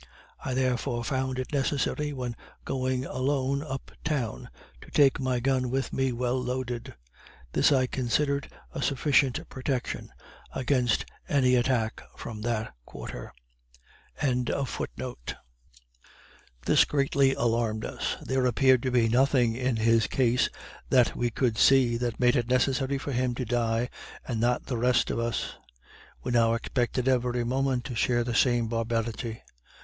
I, therefore, found it necessary, when going alone up town, to take my gun with me well loaded: this I considered a sufficient protection against any attack from that quarter.] This greatly alarmed us. There appeared to be nothing in his case, that we could see, that made it necessary for him to die and not the rest of us. We now expected every moment to share the same barbarity.